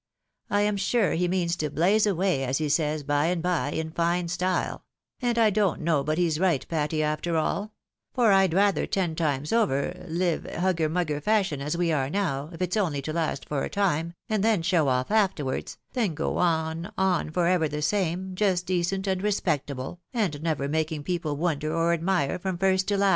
'I am sure he means to blaze away, as he says, by and by, in fine style ; and I don't know but he's right, Patty, after all ; for Pd rather, ten times over, Uve hugger mugger fashion, as we are now, if it's only to last for a time, and then show off afterwards, than go on, on, for ever the same, just decent and respectable, and never making people wonder or admire from first to last."